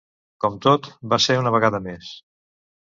Com tot, va ser una vegada més.